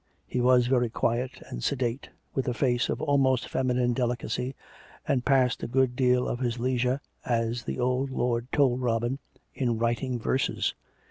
He was very quiet and sedate, with a face of almost feminine deli cacy, and passed a good deal of his leisure, as the old lord told Robin, in writing verses.